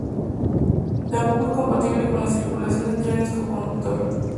Tampoco es compatible con la circulación de trenes con conductor.